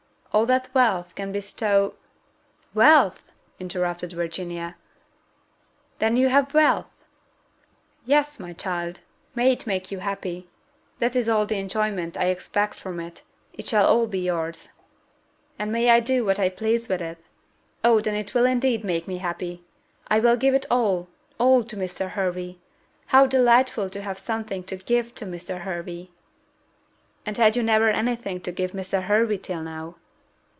All that wealth can bestow " "Wealth!" interrupted Virginia: "then you have wealth?" "Yes, my child may it make you happy! that is all the enjoyment I expect from it: it shall all be yours." "And may I do what I please with it? Oh, then it will indeed make me happy. I will give it all, all to Mr. Hervey. How delightful to have something to give to Mr. Hervey!" "And had you never any thing to give to Mr. Hervey till now?"